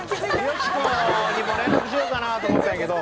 よしこにも連絡しようかなと思ったんやけど。